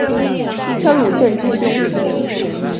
车汝震之兄。